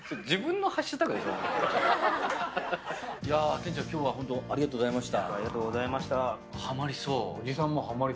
店長、今日は本当ありがとうございました。